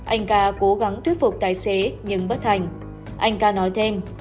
anh k cố gắng thuyết phục tài xế nhưng bất thành anh k nói thêm